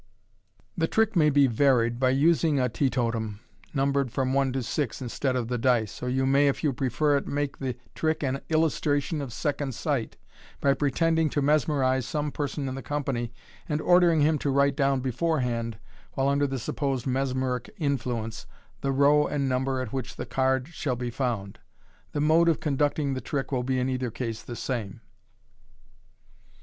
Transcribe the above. The trick may be varied by using a teetotum, numbered from one to six, instead of the dice j or you may, if you prefer it, make the trick an illustration of second sight, by pretending to mesmerize some person in the company, and ordering him to write down beforehand, while under the supposed mesmeric influence, the row and number at which the drawn card shall be found. The mode of conducting the trick will be in either case the same.